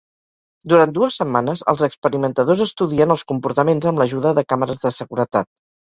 Durant dues setmanes, els experimentadors estudien els comportaments amb l'ajuda de càmeres de seguretat.